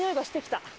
してきた？